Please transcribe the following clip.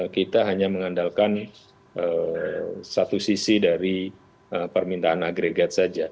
kita hanya mengandalkan satu sisi dari permintaan agregat saja